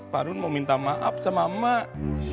pak arwin mau minta maaf sama mak